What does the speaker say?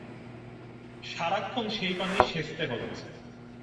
সারাক্ষণ সেই পানি সোঁচতে হচ্ছে।